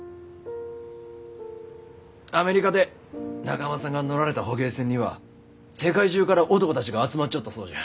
アメリカで中濱さんが乗られた捕鯨船には世界中から男たちが集まっちょったそうじゃ。